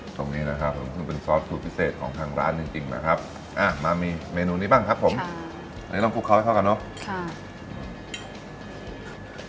ตรงนี้นะครับผมซึ่งเป็นซอสสูตรพิเศษของทางร้านจริงจริงนะครับมามีเมนูนี้บ้างครับผมอันนี้ต้องคลุกเขาให้เข้ากันเนอะค่ะ